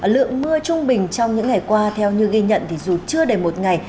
lượng mưa trung bình trong những ngày qua theo như ghi nhận thì dù chưa đầy một ngày